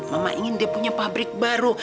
mama ingin dia punya pabrik baru